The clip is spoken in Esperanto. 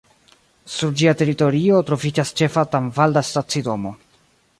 Sur ĝia teritorio troviĝas ĉefa tanvalda stacidomo.